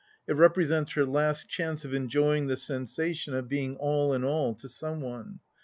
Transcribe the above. It represents her last chance of enjoying the sensation of being all in all to some one.